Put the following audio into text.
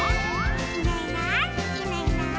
「いないいないいないいない」